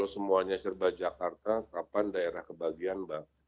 semuanya serba jakarta kapan daerah kebagian mbak